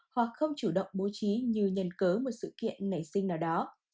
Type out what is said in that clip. hoặc không chủ động bố trí như nhân cớ một sự kiện nảy sinh nào đó